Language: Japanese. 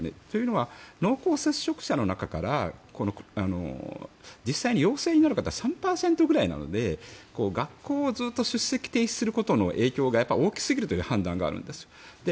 というのは、濃厚接触者の中から実際に陽性になる方は３％ぐらいなので、学校をずっと出席停止することの影響が大きすぎるという判断があるんです。